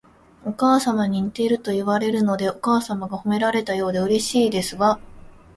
お母様に似ているといわれるので、お母様が褒められたようでうれしいですわ